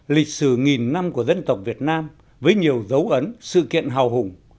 lịch sử nghìn năm của dân tộc việt nam với nhiều dấu ấn sự kiện hào hùng